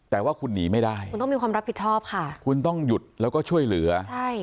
แต่ว่าคุณหนีไม่ได้คุณต้องมีความรับผิดชอบค่ะคุณต้องหยุดแล้วก็ช่วยเหลือใช่